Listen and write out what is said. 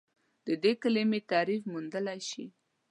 د دې کلمې تعریف موندلی شئ؟